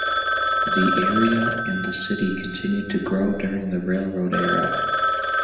The area and the city continued to grow during the railroad era.